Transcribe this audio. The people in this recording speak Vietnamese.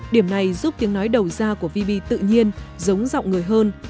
điểm này giúp tiếng nói đầu ra của vb tự nhiên giống giọng người hơn